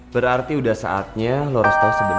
berarti udah saatnya lo harus tau sebenernya